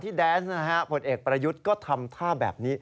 ตัวเอกประยุทธ์ก็ทำท่าแบบนี้